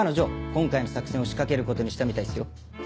今回の作戦を仕掛けることにしたみたいっすよ。